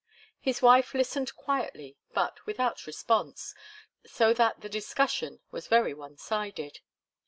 His wife listened quietly but without response, so that the discussion was very one sided.